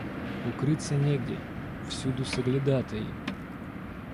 Укрыться негде, всюду соглядатаи.